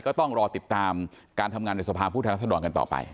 ก็ต้องรอติดตามการทำงานในสภาพุทธนักสถานการณ์กันต่อไป